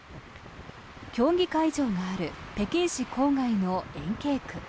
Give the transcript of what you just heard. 競技会場がある北京市郊外の延慶区。